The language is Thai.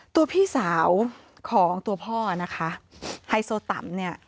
ตัวพี่สาวของตัวพ่อนะคะไฮโซตัมเนี่ย